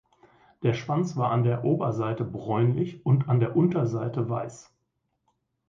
Der Schwanz war an der Oberseite bräunlich und an der Unterseite weiß.